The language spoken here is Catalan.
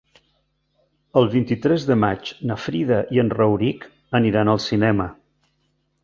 El vint-i-tres de maig na Frida i en Rauric aniran al cinema.